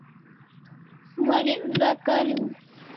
warek za kariu